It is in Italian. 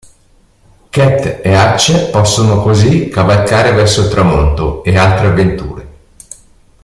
Cat e Hutch possono, così, cavalcare verso il tramonto e altre avventure.